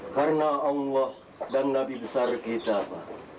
karena allah dan nabi besar kita pak